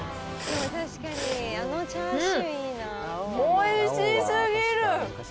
おいしすぎる！